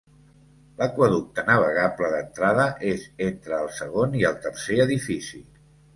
L'aqüeducte navegable d"entrada és entre el segon i el tercer edifici.